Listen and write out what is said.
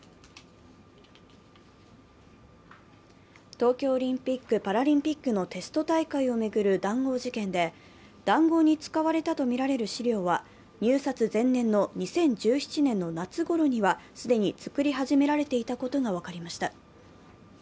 東京オリンピック・パラリンピックのテスト大会を巡る談合事件で談合に使われたとみられる資料は入札前年の２０１７年の夏ごろには既に作り始められていたことが分かりました。